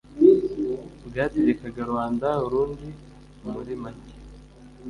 bwategekaga ruanda urundi muri make